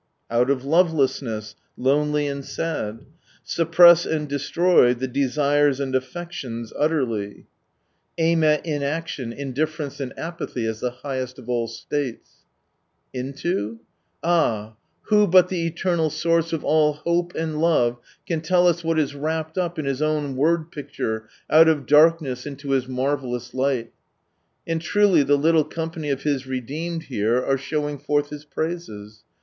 Out of levckssness, lonely and sad. Suppress and destroy the desires and affections utterly : aim at inaction, indifference, and apathy, as the highest of all Intot Ah ! who but the Eternal Source of all hope and love can tell us what is wrapped up in His own word picture, " Out of darkness into Mis marvilhus light" t And truly the little company of His redeemed here are showing forth Hia praises.